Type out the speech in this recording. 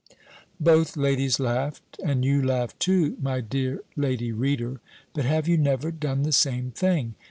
Both ladies laughed, and you laugh, too, my dear lady reader; but have you never done the same thing?